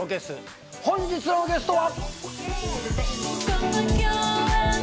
本日のゲストは。